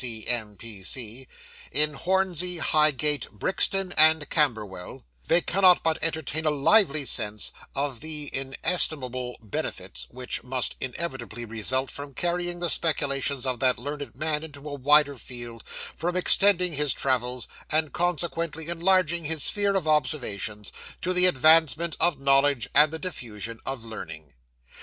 G.C.M.P.C., in Hornsey, Highgate, Brixton, and Camberwell they cannot but entertain a lively sense of the inestimable benefits which must inevitably result from carrying the speculations of that learned man into a wider field, from extending his travels, and, consequently, enlarging his sphere of observation, to the advancement of knowledge, and the diffusion of learning.